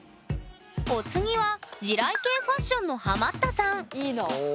お次は地雷系ファッションのハマったさんいいな。